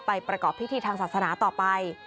ประกอบพิธีทางศาสนาต่อไป